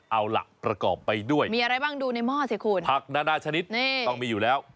เอาล่ะประกอบไปด้วยมีอะไรบ้างดูในหม้อสิคุณผักนานาชนิดนี่ต้องมีอยู่แล้ว